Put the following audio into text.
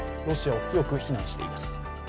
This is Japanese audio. ロシアを強く非難しています。